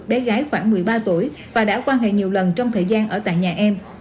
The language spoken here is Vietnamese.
bé gái khoảng một mươi ba tuổi và đã quan hệ nhiều lần trong thời gian ở tại nhà em